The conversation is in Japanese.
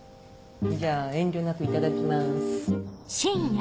じゃあ遠慮なくいただきます。